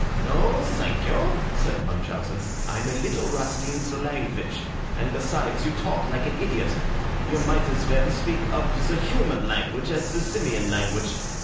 "No, thank you," said Munchausen. "I'm a little rusty in the language, and, besides, you talk like an idiot. You might as well speak of the human language as the Simian language.